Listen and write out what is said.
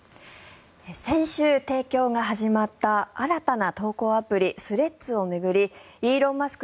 先週提供が始まった新たな投稿アプリスレッズを巡りイーロン・マスク